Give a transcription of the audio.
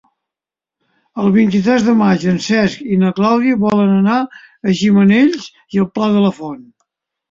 El vint-i-tres de maig en Cesc i na Clàudia volen anar a Gimenells i el Pla de la Font.